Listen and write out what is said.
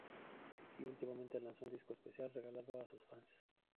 Y últimamente lanzó un disco especial regalado a sus fans.